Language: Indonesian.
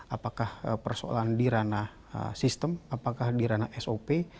apakah persoalan di ranah sistem apakah di ranah sop